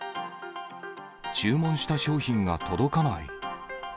注文した商品が届かない。